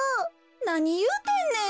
なにいうてんねん。